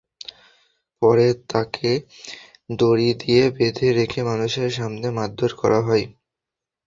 পরে তাঁকে দড়ি দিয়ে বেঁধে রেখে মানুষের সামনে মারধর করা হয়।